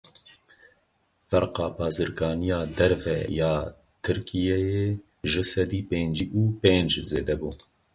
Ferqa bazirganiya derve ya Tirkiyeyê ji sedî pêncî û pênc zêde bû.